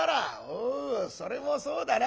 「おうそれもそうだな。